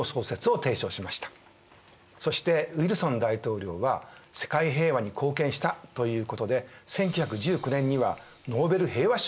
そしてウィルソン大統領は世界平和に貢献したということで１９１９年にはノーベル平和賞を受賞してるんです。